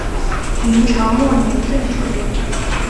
明朝末年政治人物。